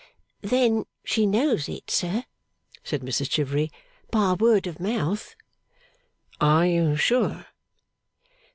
'Then she knows it, sir,' said Mrs Chivery, 'by word of mouth.' 'Are you sure?